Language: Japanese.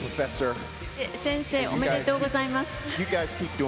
先生、おめでとうございます。